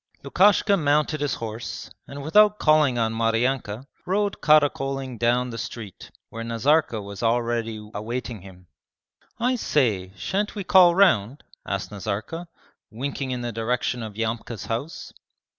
Lukashka mounted his horse, and without calling on Maryanka, rode caracoling down the street, where Nazarka was already awaiting him. 'I say, shan't we call round?' asked Nazarka, winking in the direction of Yamka's house.